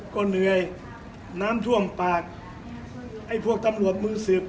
ก็เหนื่อยน้ำท่วมปากไอ้พวกตำรวจมือสืบ